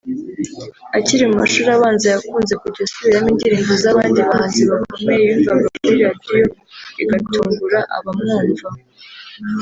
Akiri mu mashuri abanza yakunze kujya asubiramo indirimbo z’abandi bahanzi bakomeye yumvaga kuri Radiyo bigatungura abamwumva